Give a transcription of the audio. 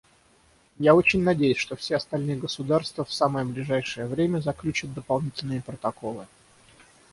Я очень надеюсь, что все остальные государства в самое ближайшее время заключат дополнительные протоколы.